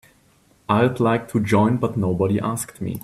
I'd like to join but nobody asked me.